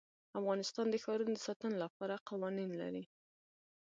افغانستان د ښارونو د ساتنې لپاره قوانین لري.